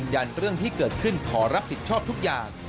ยันเรื่องที่เกิดขึ้นขอรับผิดชอบทุกอย่าง